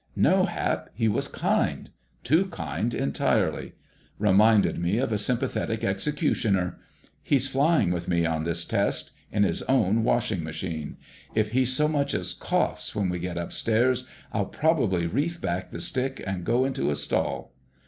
"No, Hap, he was kind—too kind entirely. Reminded me of a sympathetic executioner. He's flying with me on this test—in his own washing machine. If he so much as coughs when we get 'upstairs' I'll probably reef back the stick and go into a stall....